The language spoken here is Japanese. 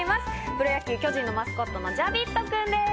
プロ野球・巨人のマスコットのジャビットくんです。